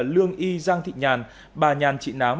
lương y giang thị nhàn bà nhàn chị nám